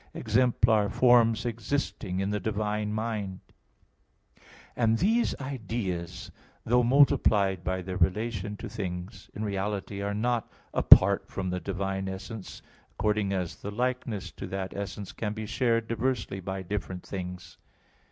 exemplar forms existing in the divine mind (Q. 15, A. 1). And these ideas, though multiplied by their relations to things, in reality are not apart from the divine essence, according as the likeness to that essence can be shared diversely by different things.